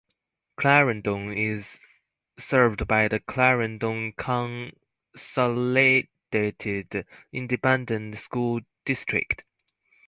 Clarendon is served by the Clarendon Consolidated Independent School District.